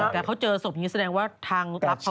แต่เขาเจอศพอย่างนี้แสดงว่าทางศพเขาก็ต้องรู้เยอะ